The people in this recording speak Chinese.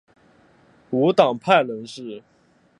无党派人士。